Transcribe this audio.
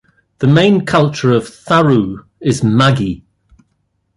The main culture of Tharu is Maghi.